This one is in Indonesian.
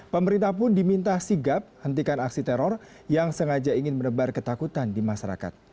pemerintah pun diminta sigap hentikan aksi teror yang sengaja ingin menebar ketakutan di masyarakat